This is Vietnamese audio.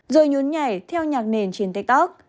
rồi nhuốn nhảy theo nhạc nền trên tiktok